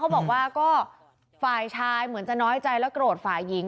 บอกว่าก็ฝ่ายชายเหมือนจะน้อยใจและโกรธฝ่ายหญิง